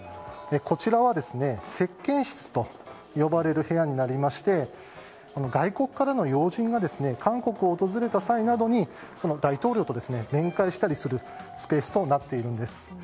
こちらは接見室と呼ばれる部屋になりまして外国からの要人が韓国を訪れた際などに大統領と面会をしたりするスペースとなっているんです。